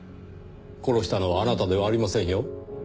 殺したのはあなたではありませんよ。